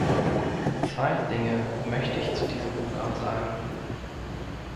Zwei Dinge möchte ich zu diesem Programm sagen.